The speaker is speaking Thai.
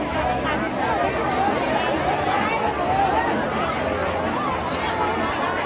สวัสดีครับ